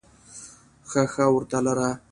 ښه ښه ورته لره !